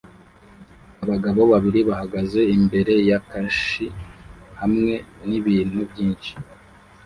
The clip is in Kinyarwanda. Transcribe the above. Abagabo babiri bahagaze imbere ya kashi hamwe nibintu byinshi